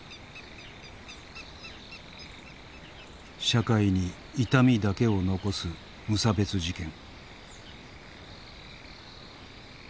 社会に痛みだけを残す無差別事件。